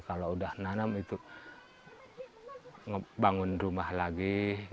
kalau udah nanam itu bangun rumah lagi